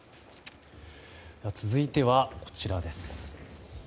続いては、こちらです。